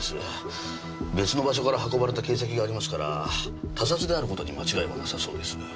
別の場所から運ばれた形跡がありますから他殺であることに間違いはなさそうです。